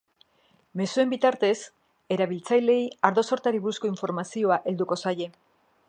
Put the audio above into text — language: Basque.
Mezuen bitartez, erabiltzaileei ardo sortari buruzko informazioa helduko zaie.